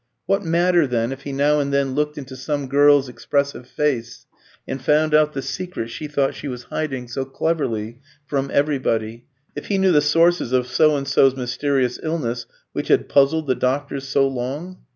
What matter, then, if he now and then looked into some girl's expressive face, and found out the secret she thought she was hiding so cleverly from everybody, if he knew the sources of So and so's mysterious illness, which had puzzled the doctors so long?